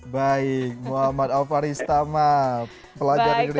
baik muhammad alfaristama pelajar indonesia yang ada di islandia